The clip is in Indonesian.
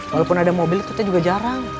walaupun ada mobil kita juga jarang